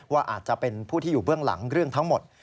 ว่าอาจจะเป็นผู้ที่อยู่เบื้องหลังเรื่องทั้งหมด